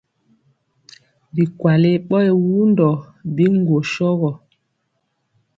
Bikwale ɓɔ yɛ wundɔ biŋgwo sɔrɔ.